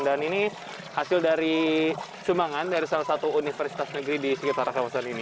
dan ini hasil dari sumbangan dari salah satu universitas negeri di sekitar kawasan ini